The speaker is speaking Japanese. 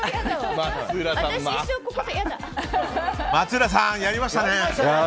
松浦さん、やりましたね。